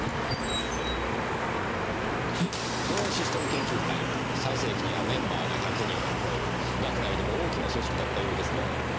ローンシステム研究会は最盛期にはメンバーが１００人を超える学内でも大きな組織だったようですね。